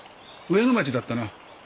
上野町だったな。